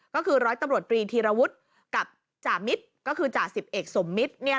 ก็คือร้อยตำรวจตรีธีรวุฒิกับจ่ามิตรก็คือจ่าสิบเอกสมมิตร